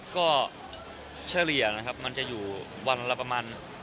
ก็เฉลี่ยนะครับมันจะอยู่วันละประมาณ